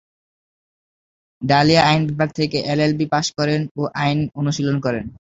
Dahlia আইন বিভাগ থেকে এলএলবি পাশ করেন ও আইন অনুশীলন করেন।